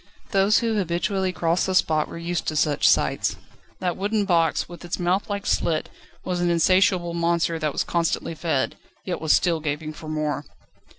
Those who habitually crossed this spot were used to such sights. That wooden box, with its mouthlike slit was like an insatiable monster that was constantly fed, yet was still gaping for more.